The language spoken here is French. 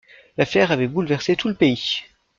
L'affaire avait bouleversé tout le pays.